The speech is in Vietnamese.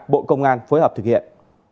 bộ công an phối hợp thực hiện